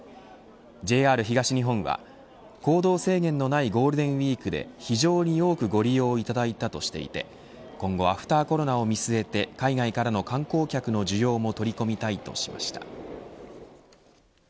ＪＲ東日本は行動制限のないゴールデンウイークで非常に多くご利用いただいたとしていて今後、アフターコロナを見据えて海外からの観光客の需要も取り込みたいとしました。